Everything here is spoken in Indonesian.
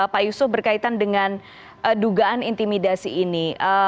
pak yusuf berkaitan dengan dugaan intimidasi ini